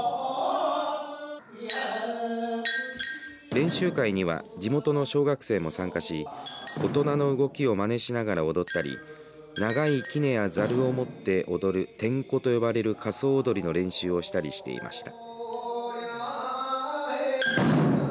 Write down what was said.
練習会には地元の小学生も参加し大人の動きをまねしながら踊ったり長いきねやざるを持って踊るテンコと呼ばれる仮想踊りの練習をしたりしていました。